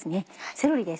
セロリです